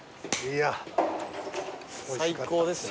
最高ですね。